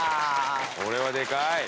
これはでかい。